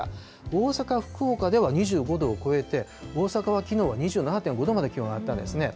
大阪、福岡では２５度を超えて、大阪はきのうは２７．５度まできのうは気温が上がったんですね。